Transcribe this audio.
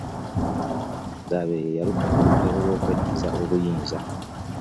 Muka Mugabe y'eyaluka olukwe olw'okweddiza obuyinza